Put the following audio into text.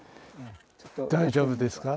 大丈夫ですか？